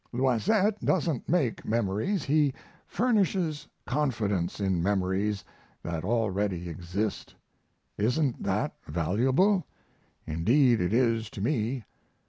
Loisette doesn't make memories, he furnishes confidence in memories that already exist. Isn't that valuable? Indeed it is to me.